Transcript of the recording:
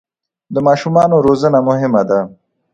د ماشومانو روزنه مهمه ده.